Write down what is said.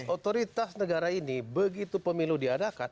otoritas negara ini begitu pemilu diadakan